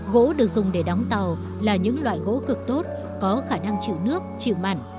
gỗ được dùng để đóng tàu là những loại gỗ cực tốt có khả năng chịu nước chịu mặn